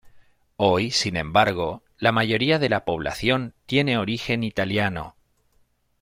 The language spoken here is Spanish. Hoy, sin embargo, la mayoría de la población tiene origen italiano.